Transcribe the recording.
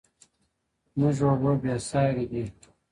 زموږ اوبه بې سارې دي.